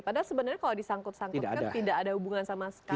padahal sebenarnya kalau disangkut sangkut kan tidak ada hubungan sama sekali